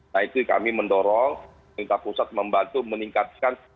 nah itu kami mendorong pemerintah pusat membantu meningkatkan